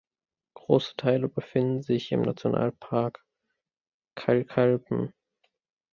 Große Teile befinden sich im Nationalpark Kalkalpen.